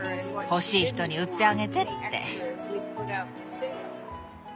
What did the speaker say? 「欲しい人に売ってあげて」って。